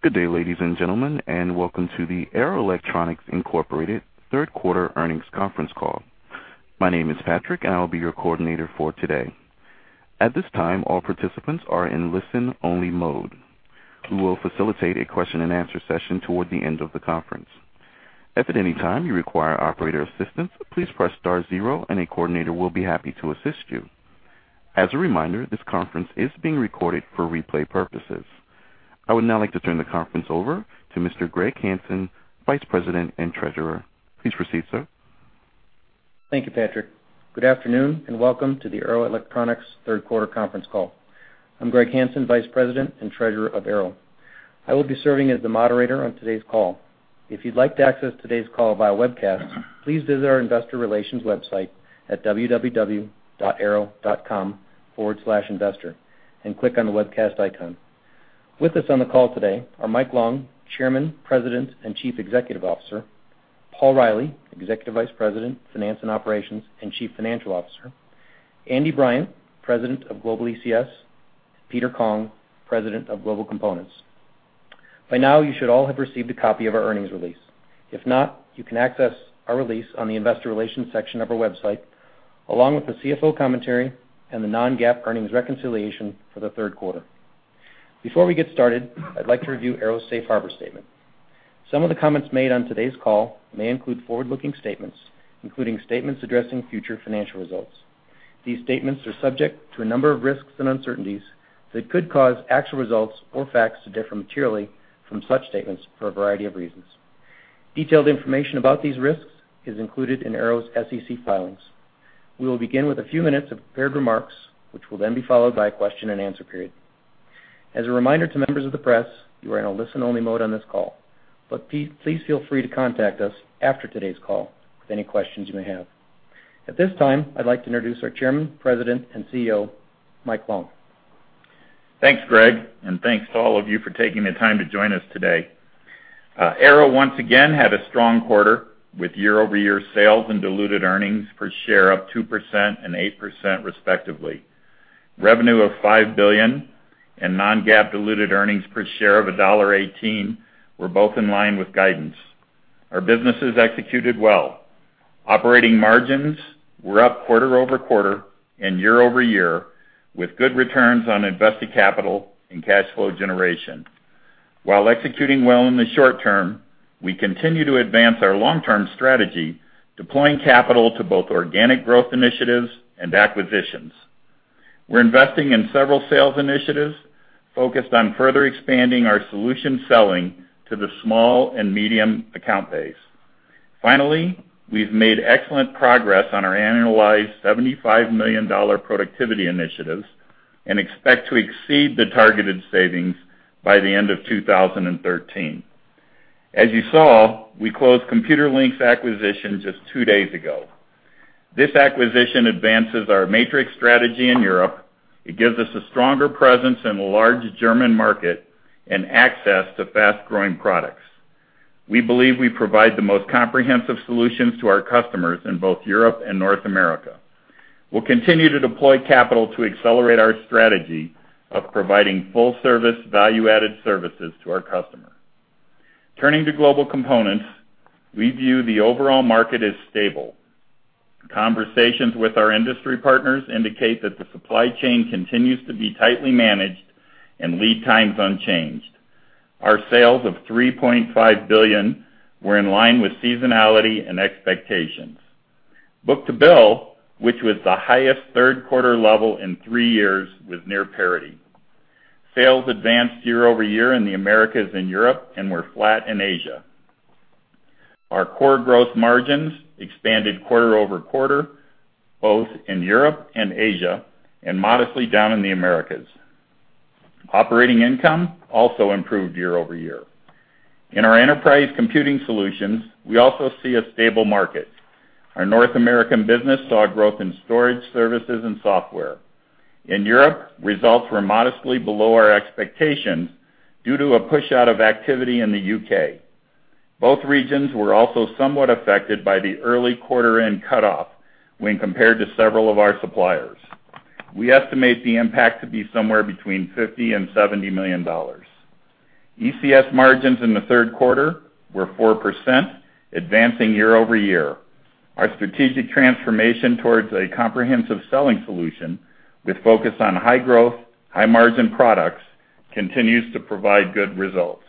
Good day, ladies and gentlemen, and welcome to the Arrow Electronics Incorporated third quarter earnings conference call. My name is Patrick, and I will be your coordinator for today. At this time, all participants are in listen-only mode. We will facilitate a question-and-answer session toward the end of the conference. If at any time you require operator assistance, please press star zero, and a coordinator will be happy to assist you. As a reminder, this conference is being recorded for replay purposes. I would now like to turn the conference over to Mr. Greg Hansen, Vice President and Treasurer. Please proceed, sir. Thank you, Patrick. Good afternoon, and welcome to the Arrow Electronics third quarter conference call. I'm Greg Hansen, Vice President and Treasurer of Arrow. I will be serving as the moderator on today's call. If you'd like to access today's call via webcast, please visit our investor relations website at www.arrow.com/investor and click on the Webcast icon. With us on the call today are Mike Long, Chairman, President, and Chief Executive Officer; Paul Reilly, Executive Vice President, Finance and Operations, and Chief Financial Officer; Andy Bryant, President of Global ECS; Peter Kong, President of Global Components. By now, you should all have received a copy of our earnings release. If not, you can access our release on the investor relations section of our website, along with the CFO commentary and the non-GAAP earnings reconciliation for the third quarter. Before we get started, I'd like to review Arrow's Safe Harbor statement. Some of the comments made on today's call may include forward-looking statements, including statements addressing future financial results. These statements are subject to a number of risks and uncertainties that could cause actual results or facts to differ materially from such statements for a variety of reasons. Detailed information about these risks is included in Arrow's SEC filings. We will begin with a few minutes of prepared remarks, which will then be followed by a question-and-answer period. As a reminder to members of the press, you are in a listen-only mode on this call, but please feel free to contact us after today's call with any questions you may have. At this time, I'd like to introduce our Chairman, President, and CEO, Michael Long. Thanks, Greg, and thanks to all of you for taking the time to join us today. Arrow, once again, had a strong quarter, with year-over-year sales and diluted earnings per share up 2% and 8%, respectively. Revenue of $5 billion and non-GAAP diluted earnings per share of $1.18 were both in line with guidance. Our businesses executed well. Operating margins were up quarter-over-quarter and year-over-year, with good returns on invested capital and cash flow generation. While executing well in the short term, we continue to advance our long-term strategy, deploying capital to both organic growth initiatives and acquisitions. We're investing in several sales initiatives focused on further expanding our solution selling to the small and medium account base. Finally, we've made excellent progress on our annualized $75 million productivity initiatives and expect to exceed the targeted savings by the end of 2013. As you saw, we closed Computerlinks acquisition just two days ago. This acquisition advances our matrix strategy in Europe. It gives us a stronger presence in the large German market and access to fast-growing products. We believe we provide the most comprehensive solutions to our customers in both Europe and North America. We'll continue to deploy capital to accelerate our strategy of providing full-service, value-added services to our customers. Turning to Global Components, we view the overall market as stable. Conversations with our industry partners indicate that the supply chain continues to be tightly managed and lead times unchanged. Our sales of $3.5 billion were in line with seasonality and expectations. Book-to-bill, which was the highest third quarter level in three years, was near parity. Sales advanced year-over-year in the Americas and Europe and were flat in Asia. Our core gross margins expanded quarter-over-quarter, both in Europe and Asia, and modestly down in the Americas. Operating income also improved year-over-year. In our enterprise computing solutions, we also see a stable market. Our North American business saw a growth in storage services and software. In Europe, results were modestly below our expectations due to a push out of activity in the UK. Both regions were also somewhat affected by the early quarter end cutoff when compared to several of our suppliers. We estimate the impact to be somewhere between $50 million and $70 million. ECS margins in the third quarter were 4%, advancing year-over-year. Our strategic transformation towards a comprehensive selling solution with focus on high growth, high margin products, continues to provide good results.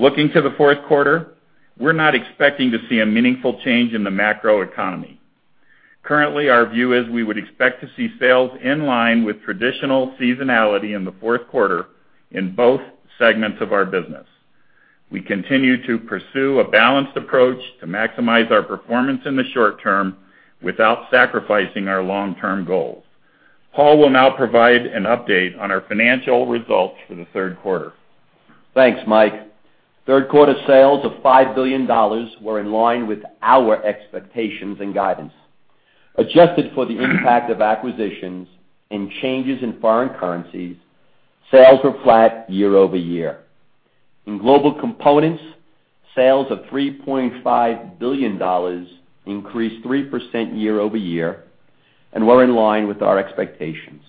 Looking to the fourth quarter, we're not expecting to see a meaningful change in the macro economy. Currently, our view is we would expect to see sales in line with traditional seasonality in the fourth quarter in both segments of our business. We continue to pursue a balanced approach to maximize our performance in the short term without sacrificing our long-term goals. Paul will now provide an update on our financial results for the third quarter. Thanks, Michael. Third quarter sales of $5 billion were in line with our expectations and guidance. Adjusted for the impact of acquisitions and changes in foreign currencies, sales were flat year-over-year. In Global Components, sales of $3.5 billion increased 3% year-over-year and were in line with our expectations.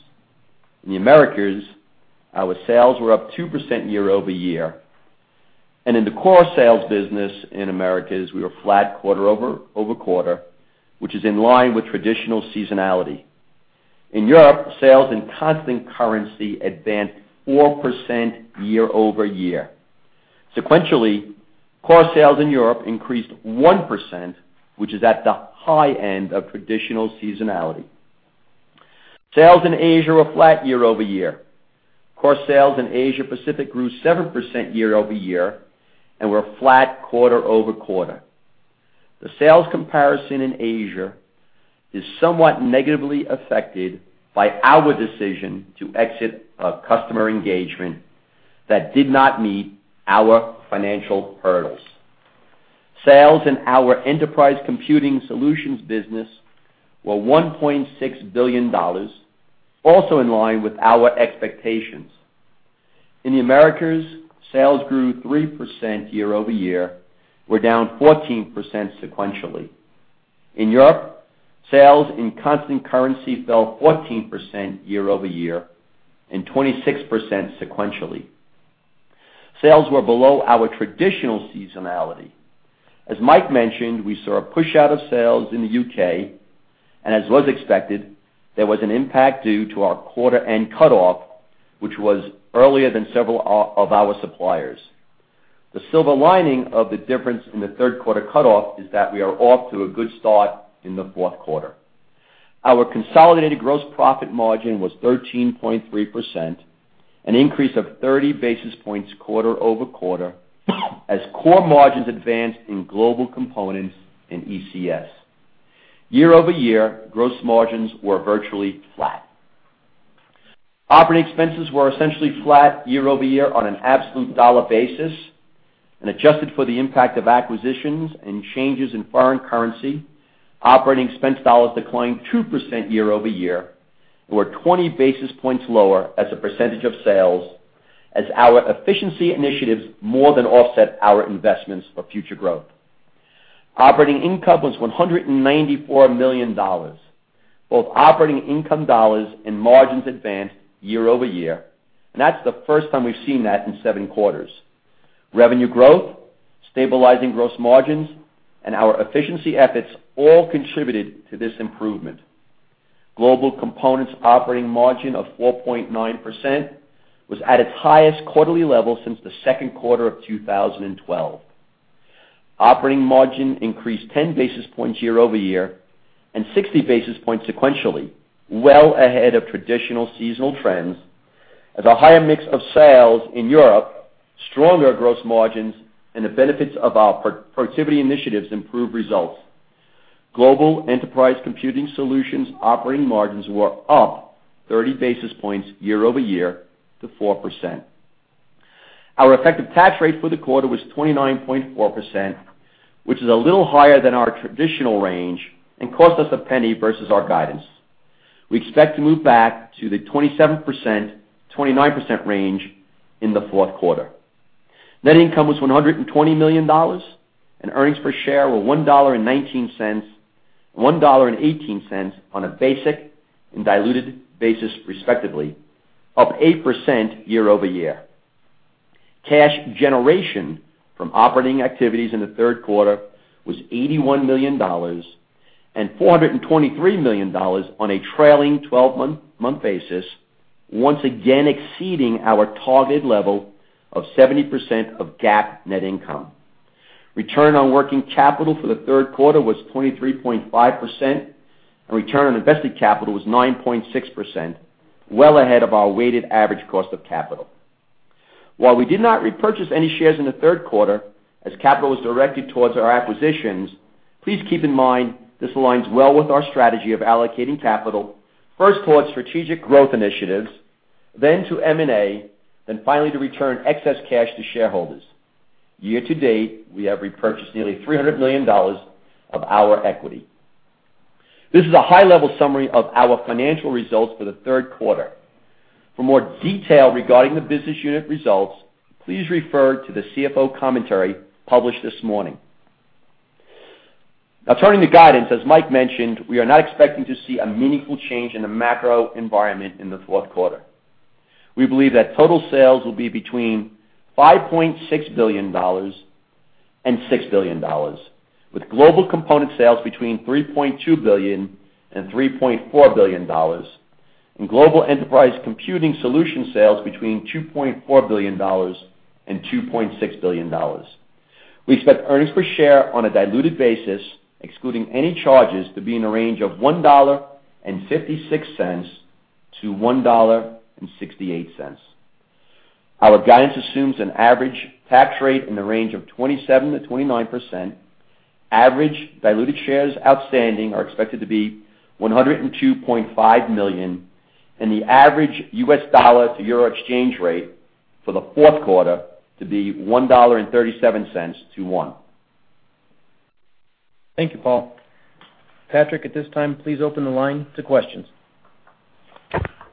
In the Americas, our sales were up 2% year-over-year, and in the core sales business in Americas, we were flat quarter-over-quarter, which is in line with traditional seasonality. In Europe, sales in constant currency advanced 4% year-over-year. Sequentially, core sales in Europe increased 1%, which is at the high end of traditional seasonality. Sales in Asia were flat year-over-year. Core sales in Asia Pacific grew 7% year-over-year and were flat quarter-over-quarter. The sales comparison in Asia is somewhat negatively affected by our decision to exit a customer engagement that did not meet our financial hurdles. Sales in our enterprise computing solutions business were $1.6 billion, also in line with our expectations. In the Americas, sales grew 3% year-over-year, were down 14% sequentially. In Europe, sales in constant currency fell 14% year-over-year and 26% sequentially. Sales were below our traditional seasonality. As Mike mentioned, we saw a push out of sales in the UK, and as was expected, there was an impact due to our quarter-end cutoff, which was earlier than several of our suppliers. The silver lining of the difference in the third quarter cutoff is that we are off to a good start in the fourth quarter. Our consolidated gross profit margin was 13.3%, an increase of 30 basis points quarter-over-quarter, as core margins advanced in Global Components and ECS. Year-over-year, gross margins were virtually flat. Operating expenses were essentially flat year-over-year on an absolute dollar basis, and adjusted for the impact of acquisitions and changes in foreign currency, operating expense dollars declined 2% year-over-year and were 20 basis points lower as a percentage of sales, as our efficiency initiatives more than offset our investments for future growth. Operating income was $194 million. Both operating income dollars and margins advanced year-over-year, and that's the first time we've seen that in seven quarters. Revenue growth, stabilizing gross margins, and our efficiency efforts all contributed to this improvement. Global Components operating margin of 4.9% was at its highest quarterly level since the second quarter of 2012. Operating margin increased 10 basis points year-over-year, and 60 basis points sequentially, well ahead of traditional seasonal trends, as a higher mix of sales in Europe, stronger gross margins, and the benefits of our pro-productivity initiatives improved results. Global Enterprise Computing Solutions operating margins were up 30 basis points year-over-year to 4%. Our effective tax rate for the quarter was 29.4%, which is a little higher than our traditional range and cost us a penny versus our guidance. We expect to move back to the 27%-29% range in the fourth quarter. Net income was $120 million, and earnings per share were $1.19, $1.18 on a basic and diluted basis respectively, up 8% year-over-year. Cash generation from operating activities in the third quarter was $81 million, and $423 million on a trailing twelve-month basis, once again exceeding our targeted level of 70% of GAAP net income. Return on working capital for the third quarter was 23.5%, and return on invested capital was 9.6%, well ahead of our weighted average cost of capital. While we did not repurchase any shares in the third quarter, as capital was directed towards our acquisitions, please keep in mind this aligns well with our strategy of allocating capital, first towards strategic growth initiatives, then to M&A, then finally to return excess cash to shareholders. Year to date, we have repurchased nearly $300 million of our equity. This is a high-level summary of our financial results for the third quarter. For more detail regarding the business unit results, please refer to the CFO commentary published this morning. Now, turning to guidance, as Mike mentioned, we are not expecting to see a meaningful change in the macro environment in the fourth quarter. We believe that total sales will be between $5.6 billion and $6 billion, with Global Components sales between $3.2 billion and $3.4 billion, and Global Enterprise Computing Solutions sales between $2.4 billion and $2.6 billion. We expect earnings per share on a diluted basis, excluding any charges, to be in the range of $1.56-$1.68. Our guidance assumes an average tax rate in the range of 27%-29%. Average diluted shares outstanding are expected to be 102.5 million, and the average U.S. dollar to euro exchange rate for the fourth quarter to be $1.37 to 1. Thank you, Paul. Patrick, at this time, please open the line to questions.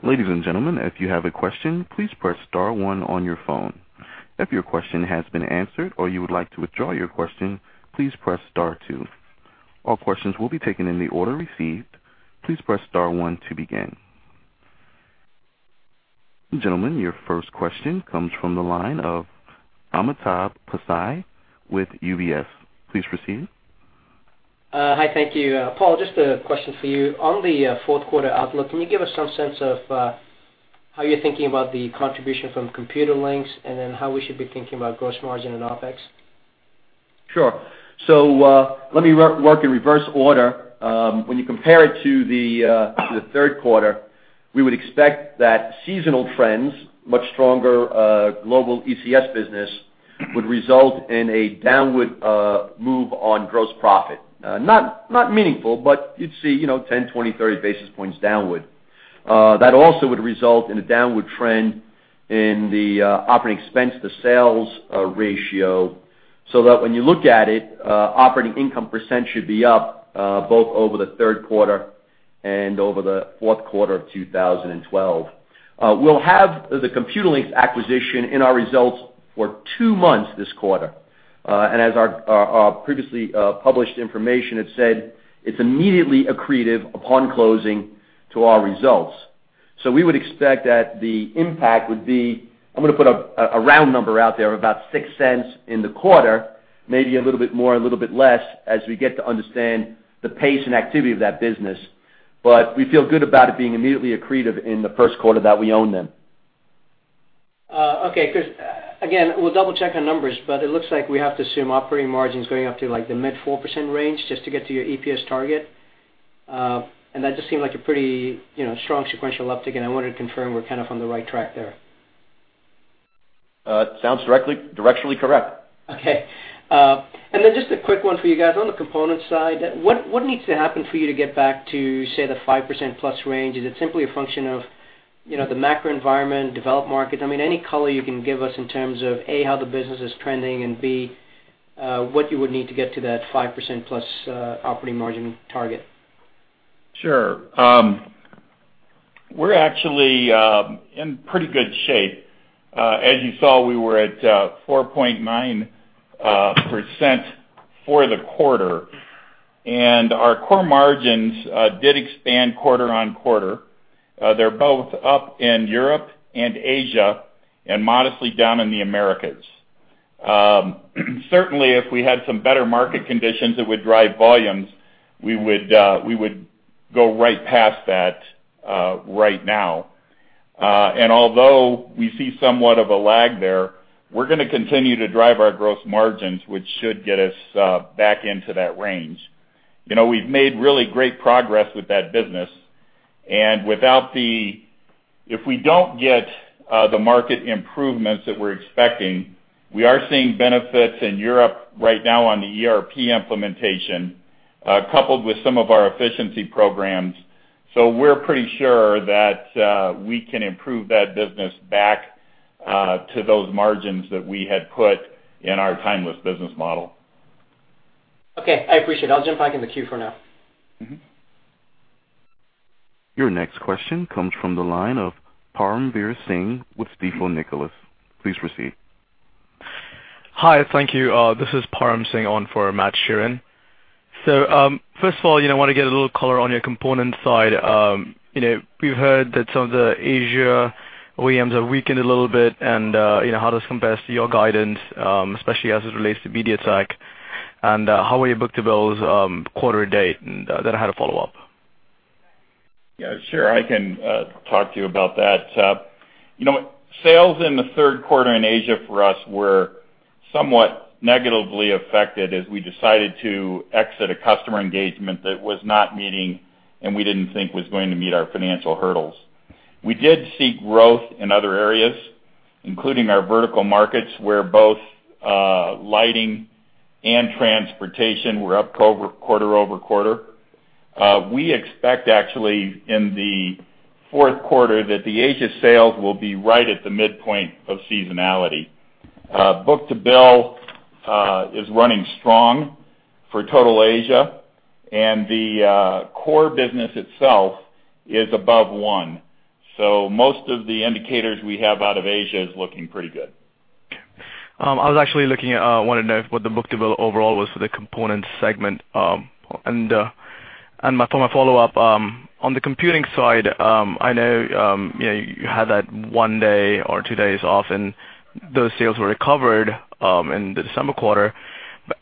Ladies and gentlemen, if you have a question, please press star one on your phone. If your question has been answered or you would like to withdraw your question, please press star two. All questions will be taken in the order received. Please press star one to begin. Gentlemen, your first question comes from the line of Amitabh Passi with UBS. Please proceed. Hi, thank you. Paul, just a question for you. On the fourth quarter outlook, can you give us some sense of how you're thinking about the contribution from Computerlinks, and then how we should be thinking about gross margin and OpEx? Sure. So, let me work in reverse order. When you compare it to the third quarter, we would expect that seasonal trends, much stronger, global ECS business, would result in a downward move on gross profit. Not, not meaningful, but you'd see, you know, 10, 20, 30 basis points downward. That also would result in a downward trend in the operating expense to sales ratio, so that when you look at it, operating income percent should be up, both over the third quarter and over the fourth quarter of 2012. We'll have the Computerlinks acquisition in our results for 2 months this quarter. And as our, our, our previously published information had said, it's immediately accretive upon closing to our results. So we would expect that the impact would be, I'm gonna put a round number out there, about $0.06 in the quarter, maybe a little bit more, a little bit less, as we get to understand the pace and activity of that business. But we feel good about it being immediately accretive in the first quarter that we own them. Okay, 'cause again, we'll double-check on numbers, but it looks like we have to assume operating margins going up to, like, the mid-4% range just to get to your EPS target. And that just seemed like a pretty, you know, strong sequential uptick, and I wanted to confirm we're kind of on the right track there. Sounds directly, directionally correct. Okay. And then just a quick one for you guys. On the component side, what needs to happen for you to get back to, say, the 5%+ range? Is it simply a function of, you know, the macro environment, developed market? I mean, any color you can give us in terms of, A, how the business is trending, and B, what you would need to get to that 5%+ operating margin target? Sure. We're actually in pretty good shape. As you saw, we were at 4.9% for the quarter, and our core margins did expand quarter-over-quarter. They're both up in Europe and Asia and modestly down in the Americas. Certainly, if we had some better market conditions that would drive volumes, we would go right past that right now. And although we see somewhat of a lag there, we're gonna continue to drive our gross margins, which should get us back into that range. You know, we've made really great progress with that business. If we don't get the market improvements that we're expecting, we are seeing benefits in Europe right now on the ERP implementation, coupled with some of our efficiency programs. So we're pretty sure that we can improve that business back to those margins that we had put in our timeless business model. Okay, I appreciate it. I'll jump back in the queue for now. Mm-hmm. Your next question comes from the line of Paramveer Singh with Stifel Nicolaus. Please proceed. Hi, thank you. This is Param Singh on for Matt Sheeran. So, first of all, you know, I want to get a little color on your component side. You know, we've heard that some of the Asia OEMs are weakened a little bit, and, you know, how this compares to your guidance, especially as it relates to MediaTek, and, how are your book-to-bill, quarter to date? And, then I had a follow-up. Yeah, sure, I can talk to you about that. You know, sales in the third quarter in Asia for us were somewhat negatively affected as we decided to exit a customer engagement that was not meeting, and we didn't think was going to meet our financial hurdles. We did see growth in other areas, including our vertical markets, where both lighting and transportation were up quarter-over-quarter. We expect, actually, in the fourth quarter, that the Asia sales will be right at the midpoint of seasonality. Book-to-bill is running strong for total Asia, and the core business itself is above one. So most of the indicators we have out of Asia is looking pretty good. I was actually looking at wanted to know what the book-to-bill overall was for the component segment. And for my follow-up, on the computing side, I know you know, you had that one day or two days off, and those sales were recovered in the December quarter.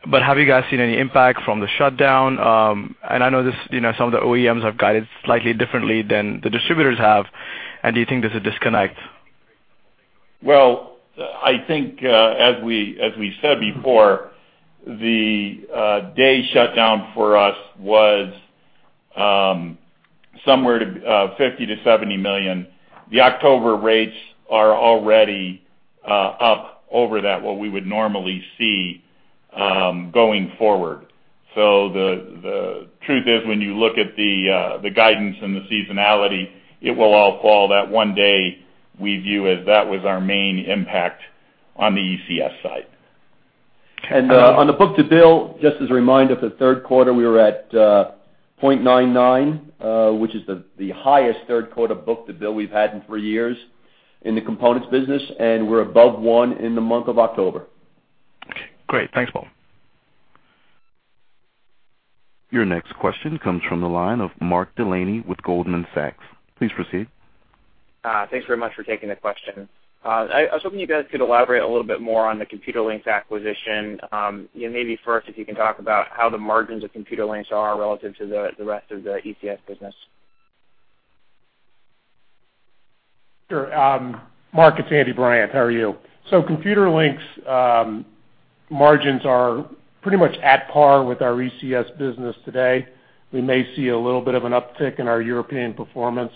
But have you guys seen any impact from the shutdown? And I know this, you know, some of the OEMs have guided slightly differently than the distributors have. Do you think there's a disconnect? Well, I think, as we, as we said before, the day shutdown for us was somewhere to $50 million-$70 million. The October rates are already up over that, what we would normally see, going forward. So the truth is, when you look at the guidance and the seasonality, it will all fall. That one day, we view as that was our main impact on the ECS side. And on the book-to-bill, just as a reminder, for the third quarter, we were at 0.99, which is the highest third quarter book-to-bill we've had in three years in the components business, and we're above 1 in the month of October. Okay, great. Thanks, Paul. Your next question comes from the line of Mark Delaney with Goldman Sachs. Please proceed. Thanks very much for taking the question. I was hoping you guys could elaborate a little bit more on the Computerlinks acquisition. You know, maybe first, if you can talk about how the margins of Computerlinks are relative to the rest of the ECS business. Sure. Mark, it's Andrew Bryant. How are you? So Computerlinks, margins are pretty much at par with our ECS business today. We may see a little bit of an uptick in our European performance,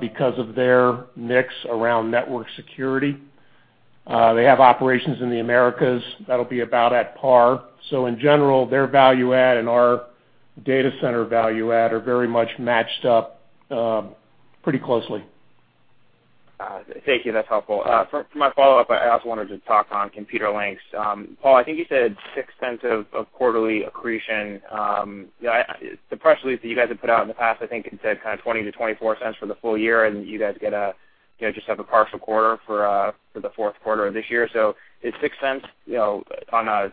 because of their mix around network security. They have operations in the Americas that'll be about at par. So in general, their value add and our data center value add are very much matched up, pretty closely. Thank you. That's helpful. For my follow-up, I also wanted to talk on Computerlinks. Paul, I think you said six cents of quarterly accretion. You know, the press release that you guys have put out in the past, I think, it said kind of $0.20-$0.24 for the full year, and you guys get a, you know, just have a partial quarter for the fourth quarter of this year. So is six cents, you know, on a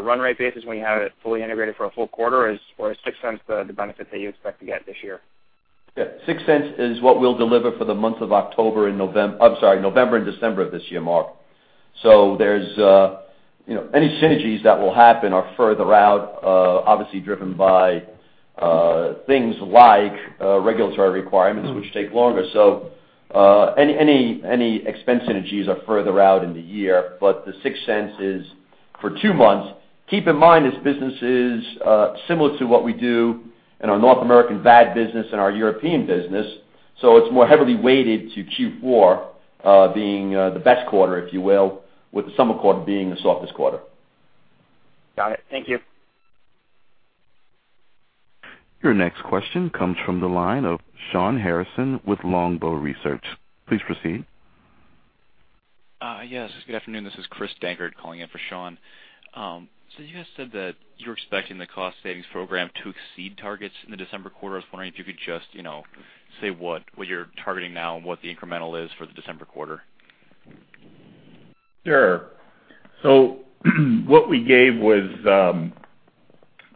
run rate basis, when you have it fully integrated for a full quarter, or is six cents the benefit that you expect to get this year? Yeah. $0.06 is what we'll deliver for the month of October and November, I'm sorry, November and December of this year, Mark. So there's, you know, any synergies that will happen are further out, obviously driven by things like regulatory requirements, which take longer. So any expense synergies are further out in the year, but the $0.06 is for two months. Keep in mind, this business is similar to what we do in our North American VAD business and our European business, so it's more heavily weighted to Q4, being the best quarter, if you will, with the summer quarter being the softest quarter. Got it. Thank you. Your next question comes from the line of Shawn Harrison with Longbow Research. Please proceed. Yes, good afternoon. This is Chris Dankert calling in for Shawn. So you guys said that you're expecting the cost savings program to exceed targets in the December quarter. I was wondering if you could just, you know, say what, what you're targeting now and what the incremental is for the December quarter. Sure. So what we gave was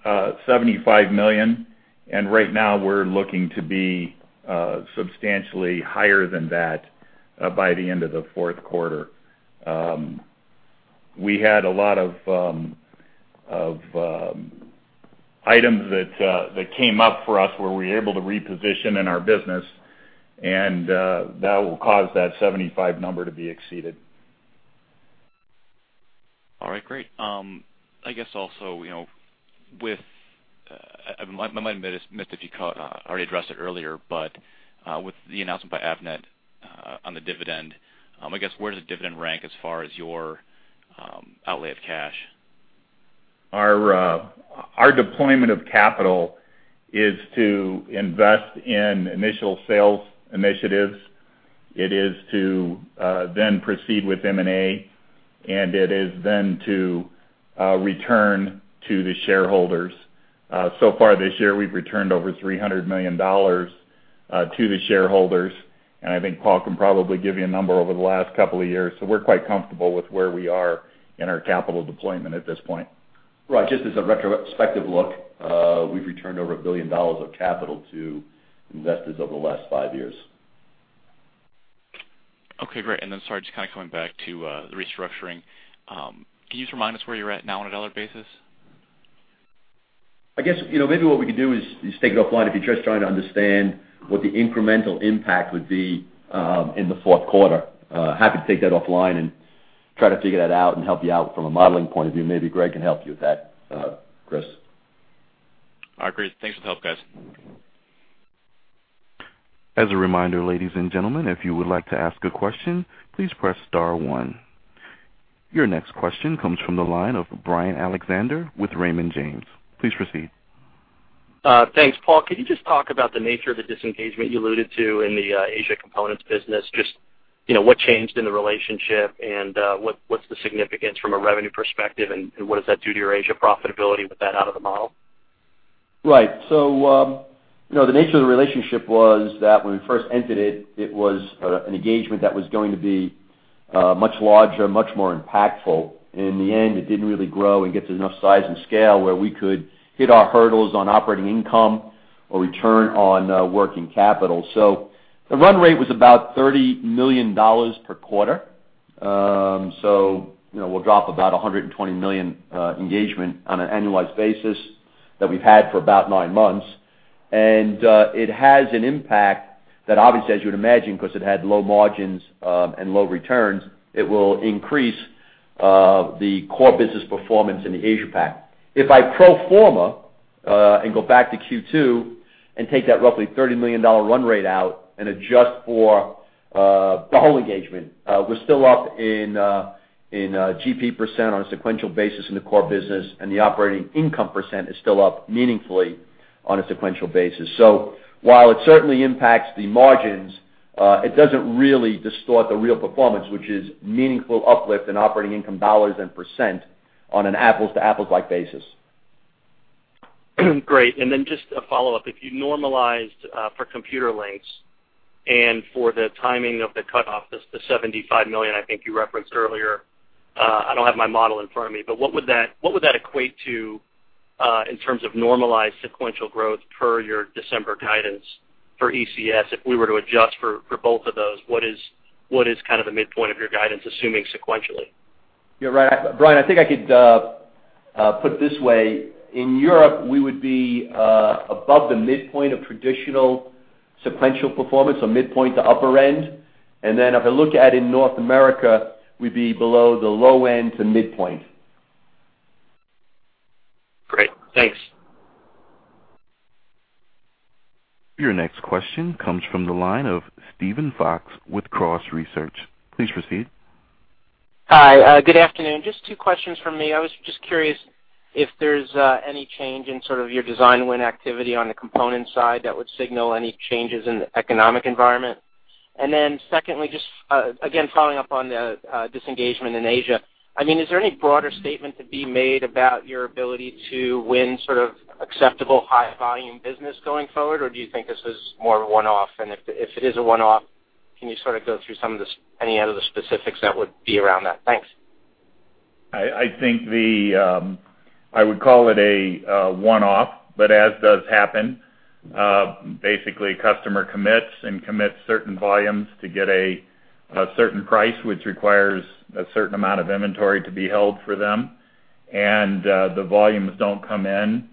$75 million, and right now, we're looking to be substantially higher than that by the end of the fourth quarter. We had a lot of items that came up for us, where we were able to reposition in our business, and that will cause that $75 million number to be exceeded. All right, great. I guess also, you know, with... I might admit I missed if you already addressed it earlier. But, with the announcement by Avnet on the dividend, I guess, where does the dividend rank as far as your outlay of cash? Our deployment of capital is to invest in initial sales initiatives. It is to then proceed with M&A, and it is then to return to the shareholders. So far this year, we've returned over $300 million to the shareholders, and I think Paul can probably give you a number over the last couple of years. So we're quite comfortable with where we are in our capital deployment at this point. Right. Just as a retrospective look, we've returned over $1 billion of capital to investors over the last five years. Okay, great. And then, sorry, just kind of coming back to the restructuring. Can you just remind us where you're at now on a dollar basis? I guess, you know, maybe what we could do is take it offline if you're just trying to understand what the incremental impact would be in the fourth quarter. Happy to take that offline and try to figure that out and help you out from a modeling point of view. Maybe Greg can help you with that, Chris. All right, great. Thanks for the help, guys. As a reminder, ladies and gentlemen, if you would like to ask a question, please press star one. Your next question comes from the line of Brian Alexander with Raymond James. Please proceed. Thanks, Paul. Could you just talk about the nature of the disengagement you alluded to in the Asia components business? Just, you know, what changed in the relationship, and what's the significance from a revenue perspective, and what does that do to your Asia profitability with that out of the model? Right. So, you know, the nature of the relationship was that when we first entered it, it was an engagement that was going to be much larger, much more impactful. In the end, it didn't really grow and get to enough size and scale, where we could hit our hurdles on operating income or return on working capital. So the run rate was about $30 million per quarter. So, you know, we'll drop about $120 million engagement on an annualized basis that we've had for about 9 months. And it has an impact that, obviously, as you would imagine, because it had low margins and low returns, it will increase the core business performance in the Asia Pac. If I pro forma and go back to Q2 and take that roughly $30 million run rate out and adjust for the whole engagement, we're still up in GP% on a sequential basis in the core business, and the operating income % is still up meaningfully on a sequential basis. So while it certainly impacts the margins it doesn't really distort the real performance, which is meaningful uplift in operating income dollars and percent on an apples-to-apples like basis. Great. And then just a follow-up. If you normalized for Computerlinks and for the timing of the cutoff, the $75 million I think you referenced earlier, I don't have my model in front of me, but what would that equate to in terms of normalized sequential growth per your December guidance for ECS? If we were to adjust for both of those, what is kind of the midpoint of your guidance, assuming sequentially? Yeah, right. Brian, I think I could put it this way. In Europe, we would be above the midpoint of traditional sequential performance, so midpoint to upper end. And then if I look at in North America, we'd be below the low end to midpoint. Great. Thanks. Your next question comes from the line of Steven Fox with Cross Research. Please proceed. Hi, good afternoon. Just two questions from me. I was just curious if there's any change in sort of your design win activity on the component side that would signal any changes in the economic environment? And then secondly, just again, following up on the disengagement in Asia. I mean, is there any broader statement to be made about your ability to win sort of acceptable high volume business going forward, or do you think this is more of a one-off? And if, if it is a one-off, can you sort of go through some of the- any of the specifics that would be around that? Thanks. I think I would call it a one-off, but as does happen, basically, customer commits certain volumes to get a certain price, which requires a certain amount of inventory to be held for them, and the volumes don't come in,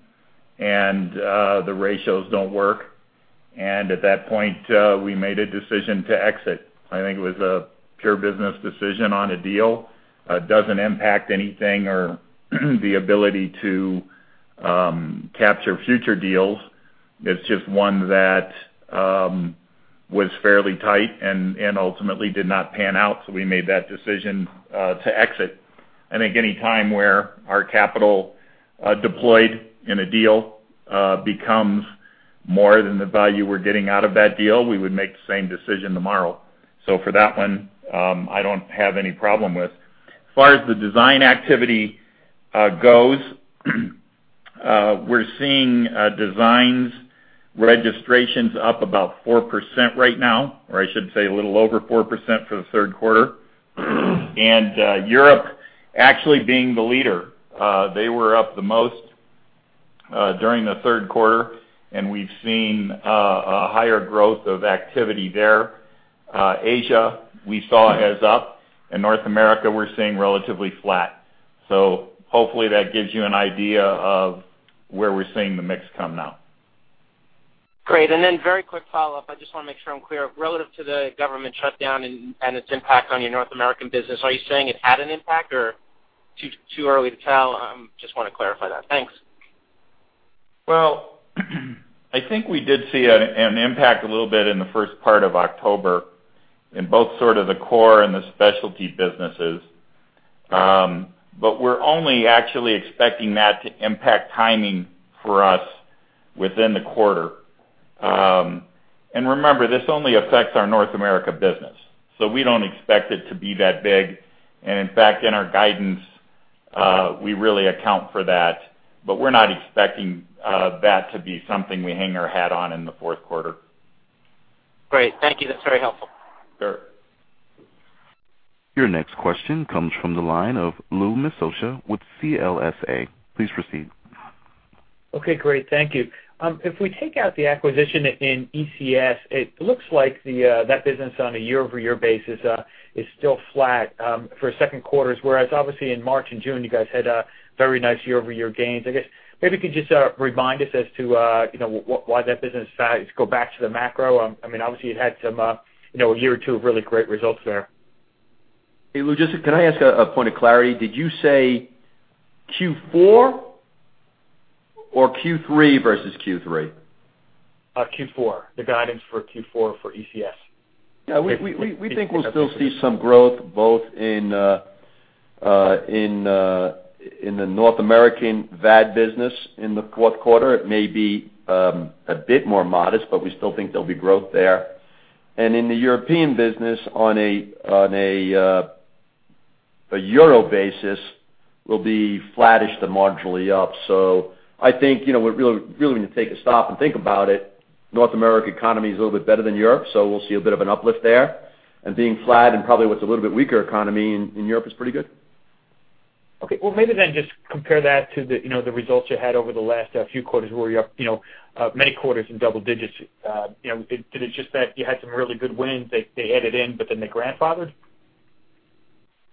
and the ratios don't work. At that point, we made a decision to exit. I think it was a pure business decision on a deal. It doesn't impact anything or the ability to capture future deals. It's just one that was fairly tight and ultimately did not pan out, so we made that decision to exit. I think any time where our capital deployed in a deal becomes more than the value we're getting out of that deal, we would make the same decision tomorrow. So for that one, I don't have any problem with. As far as the design activity goes, we're seeing designs registrations up about 4% right now, or I should say a little over 4% for the third quarter. And Europe actually being the leader, they were up the most during the third quarter, and we've seen a higher growth of activity there. Asia, we saw as up, and North America, we're seeing relatively flat. So hopefully that gives you an idea of where we're seeing the mix come now. Great. And then very quick follow-up. I just want to make sure I'm clear. Relative to the government shutdown and its impact on your North American business, are you saying it had an impact or too early to tell? Just want to clarify that. Thanks. Well, I think we did see an impact a little bit in the first part of October in both sort of the core and the specialty businesses. But we're only actually expecting that to impact timing for us within the quarter. And remember, this only affects our North America business, so we don't expect it to be that big. And in fact, in our guidance, we really account for that, but we're not expecting that to be something we hang our hat on in the fourth quarter. Great. Thank you. That's very helpful. Sure. Your next question comes from the line of Louis Miscia with CLSA. Please proceed. Okay, great. Thank you. If we take out the acquisition in ECS, it looks like the, that business on a year-over-year basis, is still flat, for second quarters, whereas obviously in March and June, you guys had a very nice year-over-year gains. I guess, maybe you could just, remind us as to, you know, why that business, go back to the macro. I mean, obviously, it had some, you know, a year or two of really great results there. Hey, Lou, just, can I ask a point of clarity? Did you say Q4 or Q3 versus Q3? Q4, the guidance for Q4 for ECS. Yeah, we think we'll still see some growth both in the North American VAD business in the fourth quarter. It may be a bit more modest, but we still think there'll be growth there. And in the European business, on a euro basis, will be flattish to marginally up. So I think, you know, we're really, really going to take a stop and think about it. North America economy is a little bit better than Europe, so we'll see a bit of an uplift there. And being flat and probably what's a little bit weaker economy in Europe is pretty good. Okay. Well, maybe then just compare that to the, you know, the results you had over the last few quarters, where you're up, you know, many quarters in double digits. You know, did it just that you had some really good wins, they, they added in, but then they grandfathered?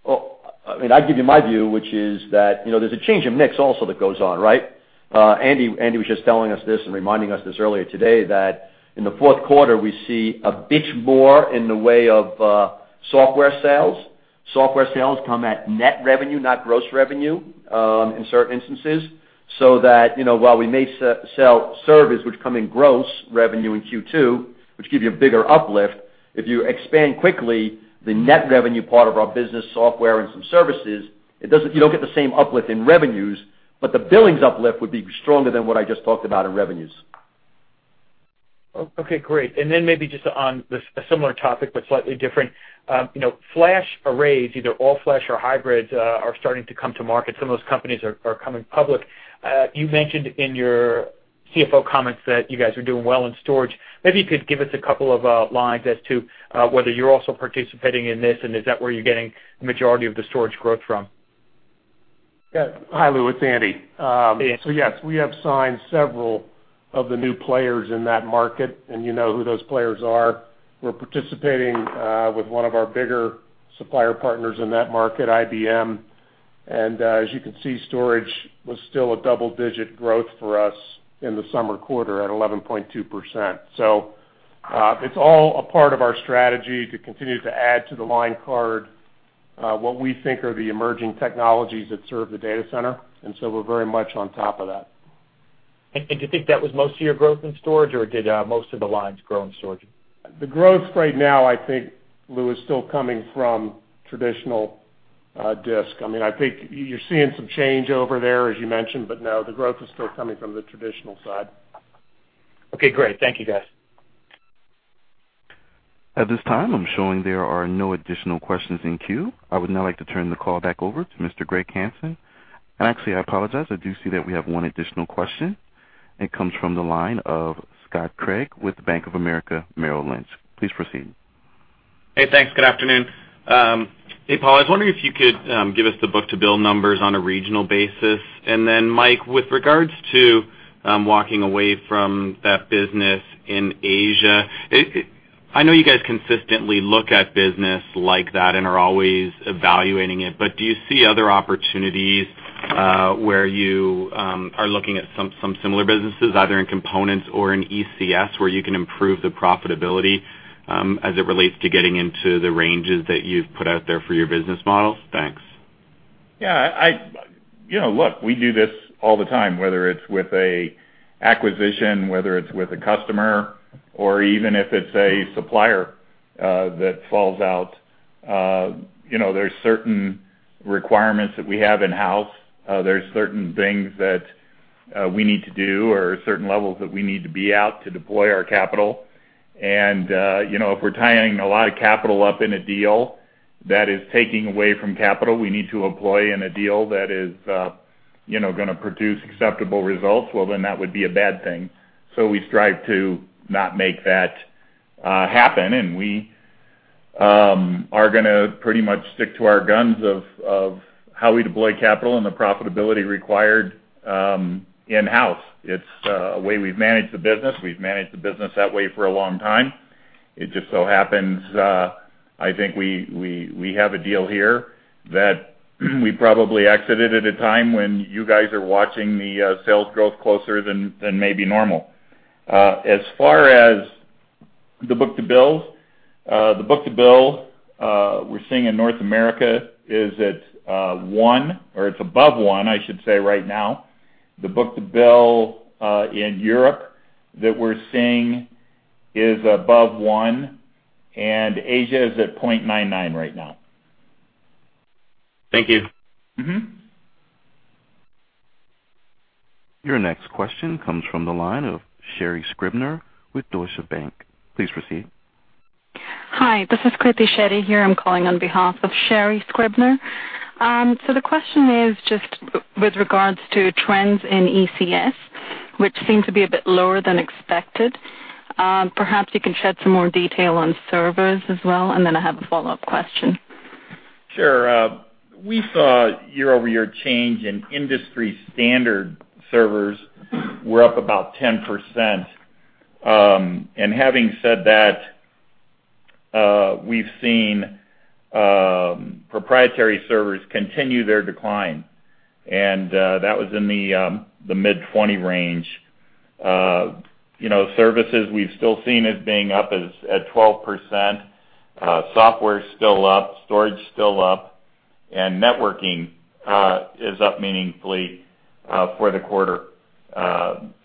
Well, I mean, I'll give you my view, which is that, you know, there's a change of mix also that goes on, right? Andy, Andy was just telling us this and reminding us this earlier today, that in the fourth quarter, we see a bit more in the way of software sales. Software sales come at net revenue, not gross revenue, in certain instances. So that, you know, while we may sell service, which come in gross revenue in Q2, which give you a bigger uplift, if you expand quickly, the net revenue part of our business, software and some services, it doesn't, you don't get the same uplift in revenues, but the billings uplift would be stronger than what I just talked about in revenues. Okay, great. And then maybe just on the, a similar topic, but slightly different. You know, flash arrays, either all flash or hybrids, are starting to come to market. Some of those companies are coming public. You mentioned in your CFO comments that you guys are doing well in storage. Maybe you could give us a couple of lines as to whether you're also participating in this, and is that where you're getting the majority of the storage growth from? Yeah. Hi, Lou, it's Andy. Andy. So yes, we have signed several of the new players in that market, and you know who those players are. We're participating with one of our bigger supplier partners in that market, IBM. And as you can see, storage was still a double-digit growth for us in the summer quarter at 11.2%. So it's all a part of our strategy to continue to add to the line card what we think are the emerging technologies that serve the data center, and so we're very much on top of that. Do you think that was most of your growth in storage, or did most of the lines grow in storage? The growth right now, I think, Lou, is still coming from traditional, disk. I mean, I think you're seeing some change over there, as you mentioned, but no, the growth is still coming from the traditional side. Okay, great. Thank you, guys. At this time, I'm showing there are no additional questions in queue. I would now like to turn the call back over to Mr. Greg Hansen. Actually, I apologize. I do see that we have one additional question. It comes from the line of Scott Craig with Bank of America Merrill Lynch. Please proceed. Hey, thanks. Good afternoon. Hey, Paul, I was wondering if you could give us the book-to-bill numbers on a regional basis. And then, Mike, with regards to walking away from that business in Asia, I know you guys consistently look at business like that and are always evaluating it, but do you see other opportunities where you are looking at some, some similar businesses, either in components or in ECS, where you can improve the profitability as it relates to getting into the ranges that you've put out there for your business models? Thanks. Yeah, You know, look, we do this all the time, whether it's with a acquisition, whether it's with a customer, or even if it's a supplier that falls out. You know, there's certain requirements that we have in-house. There's certain things that we need to do or certain levels that we need to be out to deploy our capital. And, you know, if we're tying a lot of capital up in a deal that is taking away from capital we need to employ in a deal that is, you know, gonna produce acceptable results, well, then that would be a bad thing. So we strive to not make that happen, and we are gonna pretty much stick to our guns of how we deploy capital and the profitability required in-house. It's a way we've managed the business. We've managed the business that way for a long time. It just so happens, I think we have a deal here that we probably exited at a time when you guys are watching the sales growth closer than maybe normal. As far as the book-to-bills, the book-to-bill we're seeing in North America is at 1, or it's above 1, I should say, right now. The book-to-bill in Europe that we're seeing is above 1, and Asia is at 0.99 right now. Thank you. Mm-hmm. Your next question comes from the line of Sherri Scribner with Deutsche Bank. Please proceed. Hi, this is Krithi Shetty here. I'm calling on behalf of Sherri Scribner. So the question is just with regards to trends in ECS, which seem to be a bit lower than expected. Perhaps you can shed some more detail on servers as well, and then I have a follow-up question. Sure. We saw year-over-year change in industry standard servers were up about 10%. And having said that, we've seen proprietary servers continue their decline, and that was in the mid-20 range. You know, services, we've still seen as being up as at 12%, software is still up, storage is still up, and networking is up meaningfully for the quarter.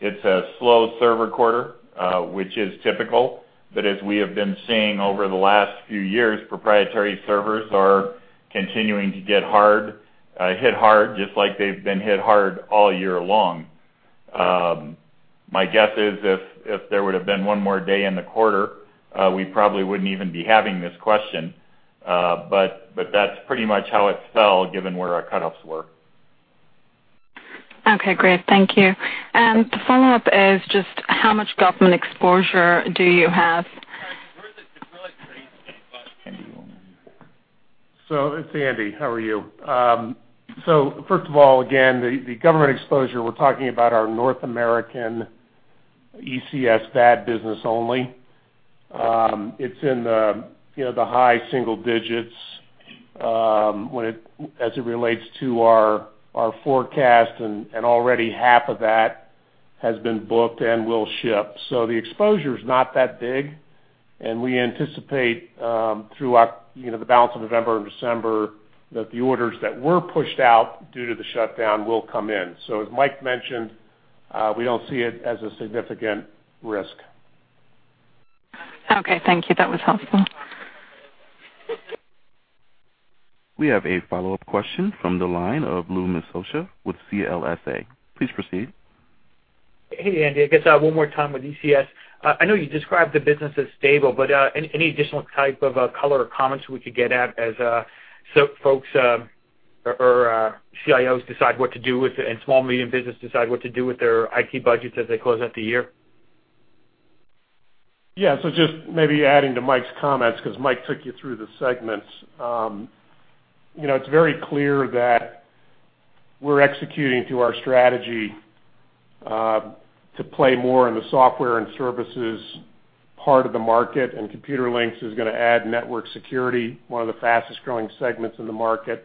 It's a slow server quarter, which is typical, but as we have been seeing over the last few years, proprietary servers are continuing to get hard hit hard, just like they've been hit hard all year long. My guess is if, if there would have been one more day in the quarter, we probably wouldn't even be having this question. But that's pretty much how it fell, given where our cutoffs were. Okay, great. Thank you. The follow-up is just how much government exposure do you have? So it's Andy. How are you? So first of all, again, the government exposure, we're talking about our North American ECS VAD business only. It's in the, you know, the high single digits, when, as it relates to our forecast, and already half of that has been booked and will ship. So the exposure is not that big, and we anticipate, through our, you know, the balance of November and December, that the orders that were pushed out due to the shutdown will come in. So as Mike mentioned, we don't see it as a significant risk. Okay, thank you. That was helpful. We have a follow-up question from the line of Lou Miscia with CLSA. Please proceed. Hey, Andy, I guess one more time with ECS. I know you described the business as stable, but any additional type of color or comments we could get as to so folks or CIOs decide what to do with and small medium business decide what to do with their IT budgets as they close out the year? Yeah. So just maybe adding to Mike's comments, 'cause Mike took you through the segments. You know, it's very clear that we're executing to our strategy, to play more in the software and services part of the market, and Computerlinks is gonna add network security, one of the fastest growing segments in the market.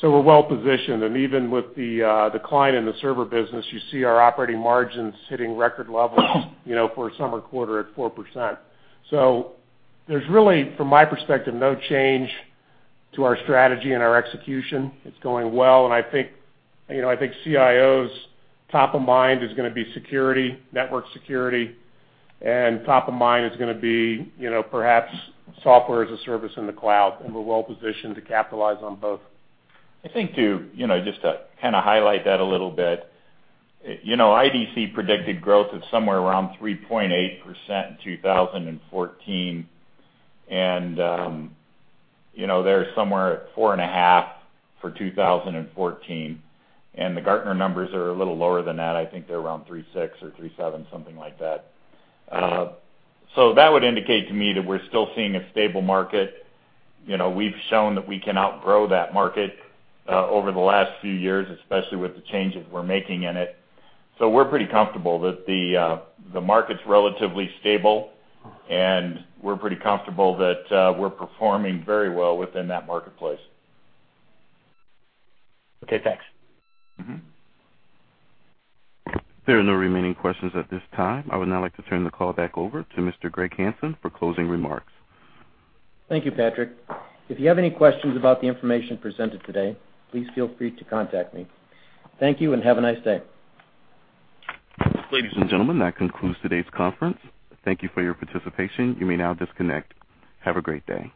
So we're well positioned, and even with the, decline in the server business, you see our operating margins hitting record levels, you know, for a summer quarter at 4%. So there's really, from my perspective, no change to our strategy and our execution. It's going well, and I think, you know, I think CIOs' top of mind is gonna be security, network security, and top of mind is gonna be, you know, perhaps software as a service in the cloud, and we're well positioned to capitalize on both. I think to, you know, just to kinda highlight that a little bit, you know, IDC predicted growth of somewhere around 3.8% in 2014, and, you know, they're somewhere at 4.5% for 2014, and the Gartner numbers are a little lower than that. I think they're around 3.6% or 3.7%, something like that. So that would indicate to me that we're still seeing a stable market. You know, we've shown that we can outgrow that market, over the last few years, especially with the changes we're making in it. So we're pretty comfortable that the, the market's relatively stable, and we're pretty comfortable that, we're performing very well within that marketplace. Okay, thanks. Mm-hmm. There are no remaining questions at this time. I would now like to turn the call back over to Mr. Greg Hansen for closing remarks. Thank you, Patrick. If you have any questions about the information presented today, please feel free to contact me. Thank you, and have a nice day. Ladies and gentlemen, that concludes today's conference. Thank you for your participation. You may now disconnect. Have a great day.